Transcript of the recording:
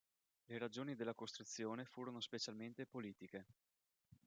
Le ragioni della costruzione furono specialmente politiche.